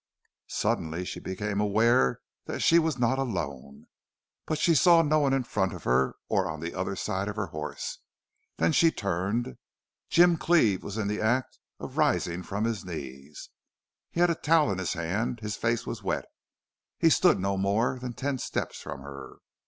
Suddenly she became aware that she was not alone. But she saw no one in front of her or on the other side of her horse. Then she turned. Jim Cleve was in the act of rising from his knees. He had a towel in his hand. His face was wet. He stood no more than ten steps from her.